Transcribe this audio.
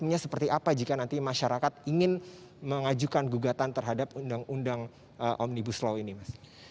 artinya seperti apa jika nanti masyarakat ingin mengajukan gugatan terhadap undang undang omnibus law ini mas